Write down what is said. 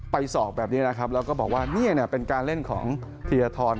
สอบแบบนี้นะครับแล้วก็บอกว่านี่เป็นการเล่นของธีรทร